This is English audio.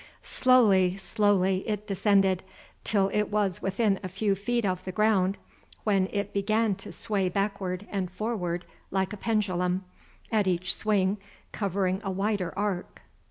Slowly, slowly it descended, till it was within a few feet of the ground, when it began to sway backward and forward like a pendulum, at each swing covering a wider arc.